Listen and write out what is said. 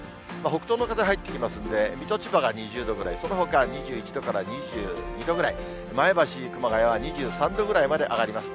北東の風入ってきますんで、水戸、千葉が２０度ぐらい、そのほか２１度から２２度ぐらい、前橋、熊谷は２３度ぐらいまで上がります。